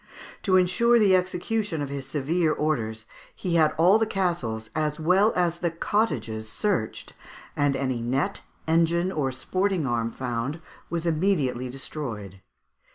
To ensure the execution of his severe orders, he had all the castles as well as the cottages searched, and any net, engine, or sporting arm found was immediately destroyed.